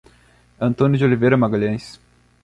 Antônio de Oliveira Magalhaes